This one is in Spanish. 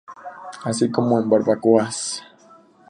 Así como en barbacoas.